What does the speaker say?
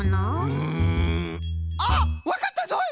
うんあっわかったぞい！